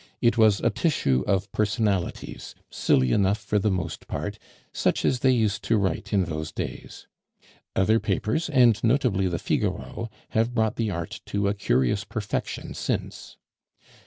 It was a tissue of personalities, silly enough for the most part, such as they used to write in those days. Other papers, and notably the Figaro, have brought the art to a curious perfection since.